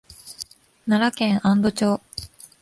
奈良県安堵町